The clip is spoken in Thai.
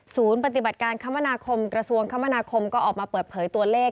ปฏิบัติการคมนาคมกระทรวงคมนาคมก็ออกมาเปิดเผยตัวเลข